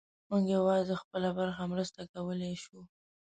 موږ یوازې خپله برخه مرسته کولی شو.